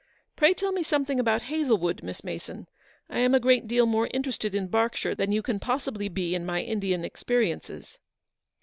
Pray tell me something about Hazlewood, Miss Mason ; I am a great deal more interested in Berkshire than you can pos sibly be in my Indian experiences."